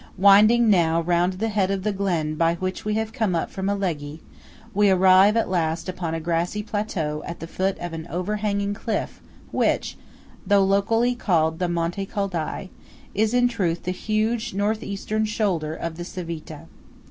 Winding now round the head of the glen by which we have come up from Alleghe, we arrive at last upon a grassy plateau at the foot of an overhanging cliff which, though locally called the Monte Coldai, is in truth the huge northeastern shoulder of the Civita.